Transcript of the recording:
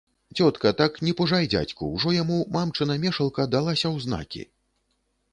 Цётка, так не пужай дзядзьку, ужо яму мамчына мешалка далася ў знакі.